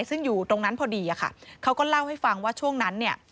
ซึ่งอยู่ตรงนั้นพอดีอะค่ะเขาก็เล่าให้ฟังว่าช่วงนั้นเนี่ย